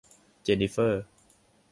เจนนิเฟอร์